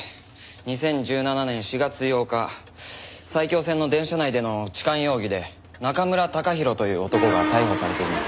２０１７年４月８日埼京線の電車内での痴漢容疑で中村隆弘という男が逮捕されています。